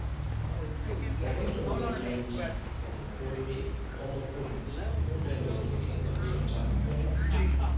Obwedda onyumya nti omukuumi omukulu kumbe ng'otegeeza musota!